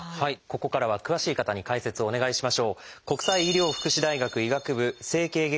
ここからは詳しい方に解説をお願いしましょう。